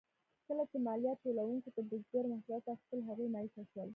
کله چې مالیات ټولونکو د بزګرو محصولات اخیستل، هغوی مایوسه شول.